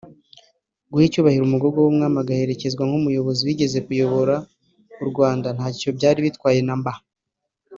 Guha icyubahiro umugogo w’umwami agaherekezwa nk’umuyobozi wigeze kuyobora u Rwanda ntacyo byari bitwaye na mba